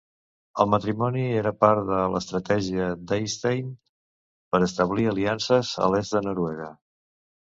El matrimoni era part de l'estratègia d'Eystein per establir aliances a l'est de Noruega.